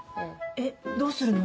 えっどうするの？